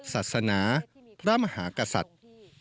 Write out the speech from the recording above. ศาสนาพระมหากษัตริย์